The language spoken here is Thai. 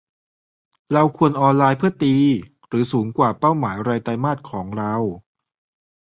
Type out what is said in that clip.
เราควรออนไลน์เพื่อตีหรือสูงกว่าเป้าหมายรายไตรมาสของเรา